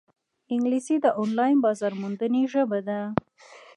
انګلیسي د آنلاین بازارموندنې ژبه ده